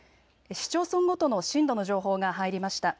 市町村ごとの震度の情報が入りました。